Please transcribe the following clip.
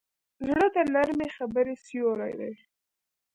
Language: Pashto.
زړه د نرمې خبرې سیوری دی.